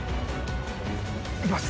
いきます